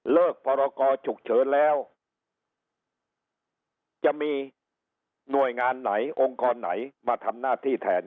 พรกรฉุกเฉินแล้วจะมีหน่วยงานไหนองค์กรไหนมาทำหน้าที่แทน